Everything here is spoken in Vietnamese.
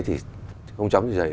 thì không chóng gì gì